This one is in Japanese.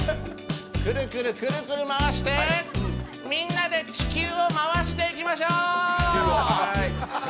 腕をくるくる回してみんなで地球を回していきましょう。